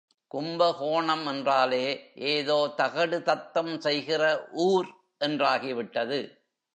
கும்பகோணம் என்றாலே ஏதோ தகிடுதத்தம் செய்கிற ஊர் என்றாகிவிட்டது.